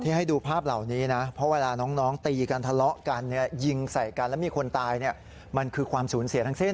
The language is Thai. ให้ดูภาพเหล่านี้นะเพราะเวลาน้องตีกันทะเลาะกันยิงใส่กันแล้วมีคนตายมันคือความสูญเสียทั้งสิ้น